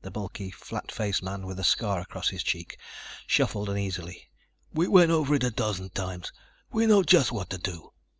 The bulky, flat faced man with the scar across his cheek shuffled uneasily. "We went over it a dozen times. We know just what to do."